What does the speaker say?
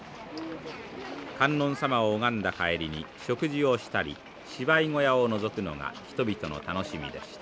観音さまを拝んだ帰りに食事をしたり芝居小屋をのぞくのが人々の楽しみでした。